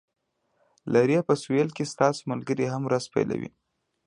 لرې په سویل کې ستاسو ملګري هم ورځ پیلوي